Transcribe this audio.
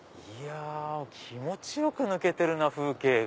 気持ちよく抜けてるなぁ風景が。